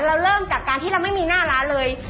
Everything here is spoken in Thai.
เราเริ่มจากการที่เราไม่มีหน้าร้านเลย